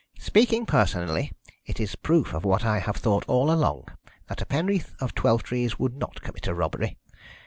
"Speaking personally, it is proof of what I have thought all along, that a Penreath of Twelvetrees would not commit a robbery.